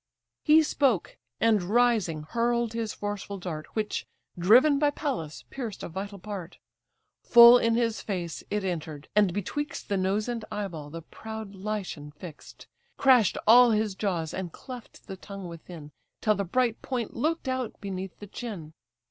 He spoke, and rising hurl'd his forceful dart, Which, driven by Pallas, pierced a vital part; Full in his face it enter'd, and betwixt The nose and eye ball the proud Lycian fix'd; Crash'd all his jaws, and cleft the tongue within, Till the bright point look'd out beneath the chin.